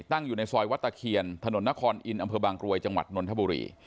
อยู่ในซอยวัดตะเคียนถนนนครอินอำเภอบางกรวยจังหวัดนนทบุรี